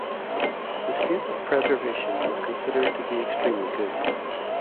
The state of preservation was considered to be extremely good.